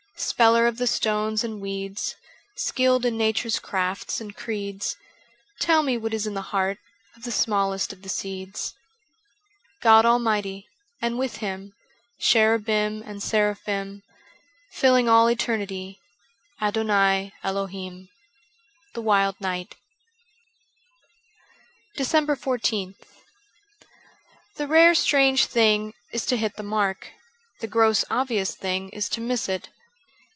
Speller of the stones and weeds, Skilled in Nature's crafts and creeds, Tell me what is in the heart Of the smallest of the seeds. God Almighty, and with Him Cherubim and Seraphim Filling all Eternity — Adonai Elohim. ' The Wild Knight: 386 DECEMBER 14th THE rare strange thing is to hit the mark ; the gross obvious thing is to miss it.